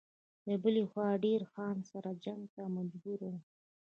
له بلې خوا له دیر خان سره جنګ ته مجبور و.